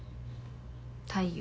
太陽。